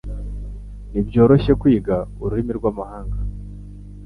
Ntibyoroshye kwiga ururimi rwamahanga